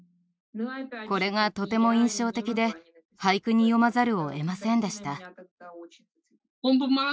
これがとても印象的で俳句に詠まざるをえませんでした。